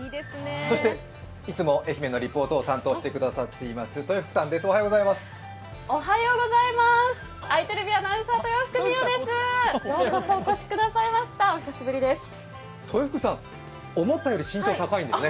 そしていつも愛媛のリポートを担当してくださっています豊福さんです。